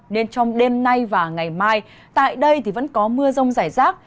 nên trong đêm nay và ngày mai tại đây thì vẫn có mưa rông rải rác